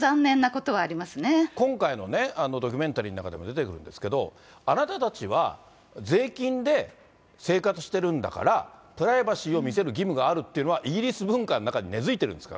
今回のね、ドキュメンタリーの中でも出てくるんですけど、あなたたちは税金で生活してるんだから、プライバシーを見せる義務があるというのは、イギリス文化の中に根付いてるんですか？